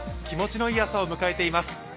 気持ちのいい朝を迎えています。